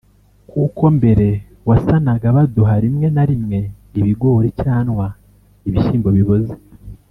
Kuko mbere wasanaga baduha rimwe na rimwe ibigori cyanwa ibishyimbo biboze